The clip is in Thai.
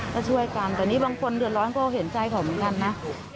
ก็ช่วยกันแต่นี่บางคนเดือดร้อนก็เห็นใจเขาเหมือนกันนะ